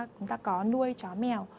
chúng ta có nuôi chó mèo